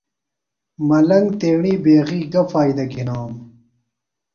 ملنگ تیݨی بیغیۡ گہ فائدے گِھنانوۡ؟